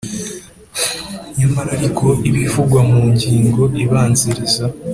Nyamara ariko ibivugwa mu ngingo ibanziriza